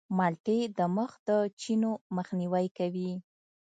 مالټې د مخ د چینو مخنیوی کوي.